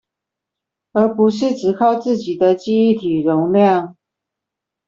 而不是只靠自己的記憶體容量